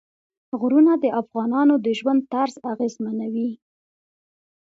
غرونه د افغانانو د ژوند طرز اغېزمنوي.